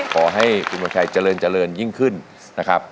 ขอให้คุณองค์ชัยเจริญยิ่งขึ้นนะครับ